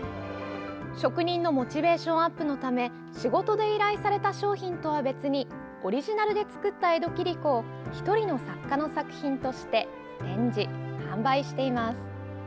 職人のモチベーションアップのため仕事で依頼された商品とは別にオリジナルで作った江戸切子を１人の作家の作品として展示・販売しています。